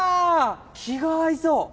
気が合いそう！